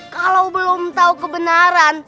kalau belum tau kebenaran